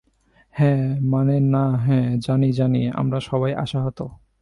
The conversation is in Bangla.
হ্যা মানে না হ্যা, জানি জানি, আমরা সবাই আশাহত।